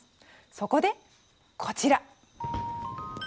そこでこちら。